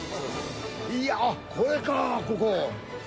いやー、あっ、これかー、ここ。